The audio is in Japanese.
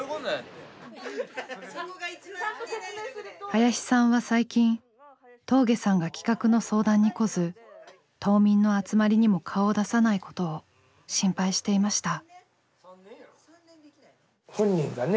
林さんは最近峠さんが企画の相談に来ず島民の集まりにも顔を出さないことを心配していました。